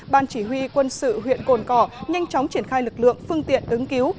ban chỉ huy quân sự huyện cồn cỏ nhanh chóng triển khai lực lượng phương tiện ứng cứu